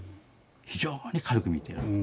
非常に軽く見ている。